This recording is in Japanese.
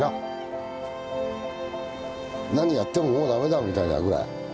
何やってももうダメだみたいなぐらい。